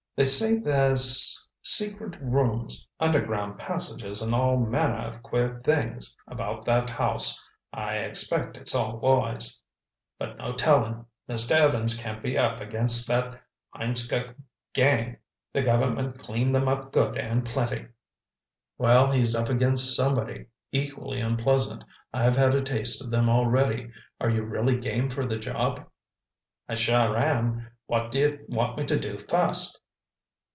They say there's secret rooms, underground passages and all manner of queer things about that house. I expect it's all lies—but no telling. Mr. Evans can't be up against that Hiemskirk gang. The government cleaned them up good and plenty." "Well, he's up against somebody equally unpleasant. I've had a taste of them already. Are you really game for the job?" "I sure am. What do you want me to do first?"